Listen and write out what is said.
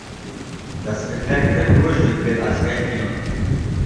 Das betreffende Flurstück wird als Feld genutzt.